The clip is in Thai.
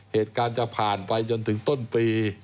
เหตุการณ์จะผ่านไปจนถึงต้นปี